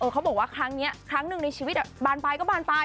เขาบอกว่าครั้งนี้ครั้งหนึ่งในชีวิตบานปลายก็บานปลาย